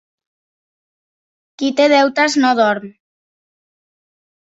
Qui té deutes no dorm.